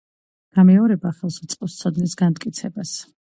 გამეორება ხელს უწყობს ცოდნის განმტკიცებას.